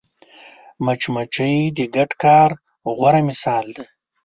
مچمچۍ د ګډ کار غوره مثال ده